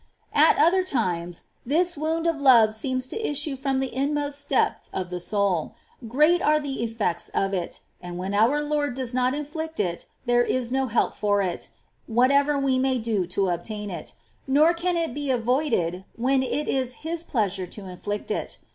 At other times, this wound of love seems to Wound of issue from the inmost depth of the soul ; great are the effects of it ; and when our Lord does not inflict it, there is no help for it, whatever we may do to obtain it ; nor can it be avoided when it is His pleasure to inflict it.